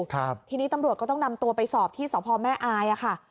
ทีนี้ตำรวจก็ต้องนำตัวไปสอบที่สพแม่อายอ่ะค่ะ